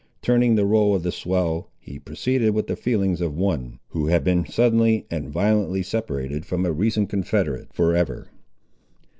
Turning the roll of the swell, he proceeded with the feelings of one, who had been suddenly and violently separated from a recent confederate, for ever.